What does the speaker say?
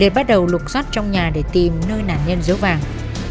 liệt bắt đầu lục xót trong nhà để tìm nơi nản nhân giấu vàng